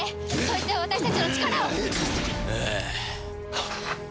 そいつは私たちの力を！